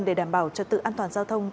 để đảm bảo trật tự an toàn giao thông